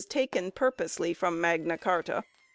taken purposely from Magna Carta.